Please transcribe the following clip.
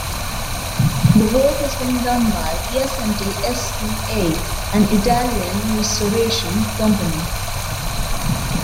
The work is being done by Piacenti S.p.A., an Italian restoration company.